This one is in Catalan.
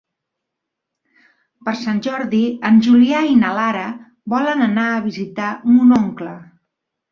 Per Sant Jordi en Julià i na Lara volen anar a visitar mon oncle.